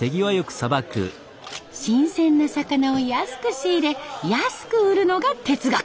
新鮮な魚を安く仕入れ安く売るのが哲学。